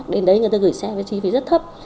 đến đấy người ta gửi xe cái chi phí rất thấp